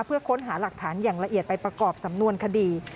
เพื่อค้นหาหลักฐานอย่างละเอียดไปประกอบสำนวนคดี